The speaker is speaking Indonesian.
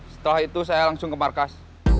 setelah itu saya langsung ke markas